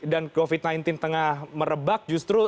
dan covid sembilan belas tengah merebak justru